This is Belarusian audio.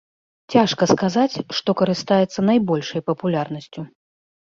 Цяжка сказаць, што карыстаецца найбольшай папулярнасцю.